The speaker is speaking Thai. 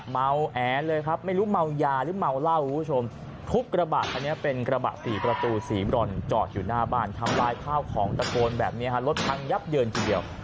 เมาแอเลยครับไม่รู้เมายาหรือเมาเหล้าคุณผู้ชมทุบกระบะคันนี้เป็นกระบะสี่ประตูสีบรอนจอดอยู่หน้าบ้านทำลายข้าวของตะโกนแบบนี้ฮะรถพังยับเยินทีเดียว